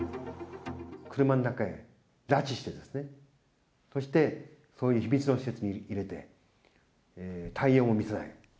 車の中へ拉致してですね、そして秘密の施設に入れて、太陽も見せない。